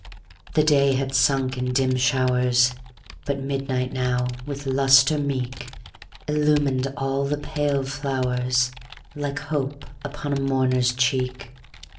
The day had sunk in dim showers, But midnight now, with lustre meek, Illumined all the pale flowers, Like hope upon a mourner's cheek.